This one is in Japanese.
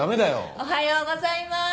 おはようございまーす！